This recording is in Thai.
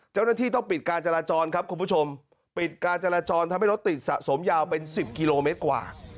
เจ้าหน้าที่ต้องปิดการจราจรครับคุณผู้ชมปิดการจราจรทำให้รถติดสะสมยาวเป็น๑๐กิโลเมตรกว่า